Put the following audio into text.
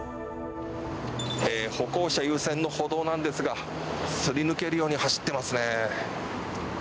歩行者優先の歩道なんですがすり抜けるように走っていますね。